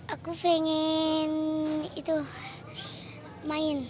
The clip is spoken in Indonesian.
aku pengen itu main